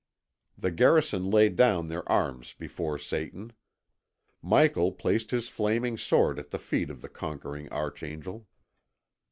The garrison laid down their arms before Satan. Michael placed his flaming sword at the feet of the conquering archangel.